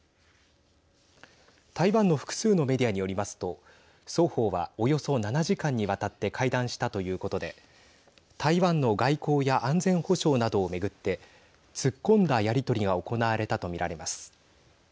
台湾の複数のメディアによりますと双方はおよそ７時間にわたって会談したということで台湾の外交や安全保障などを巡って突っ込んだやり取りが行われたと見られます。